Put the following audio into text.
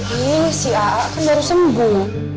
ih si aa kan baru sembuh